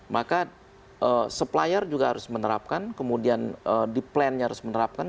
maka supplier juga harus menerapkan kemudian di plan nya harus menerapkan